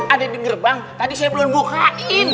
ada di gerbang tadi saya belum bukain